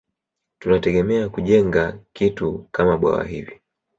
Tunategemea kujenga kitu kama bwawa hivi